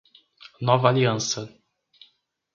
Nova Aliança